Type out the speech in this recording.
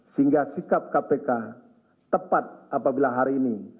sehingga sikap kpk tepat apabila hari ini